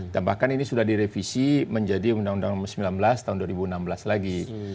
dan bahkan ini sudah direvisi menjadi undang undang nomor sembilan belas tahun dua ribu enam belas lagi